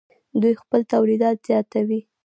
دوی خپل تولیدات زیاتوي.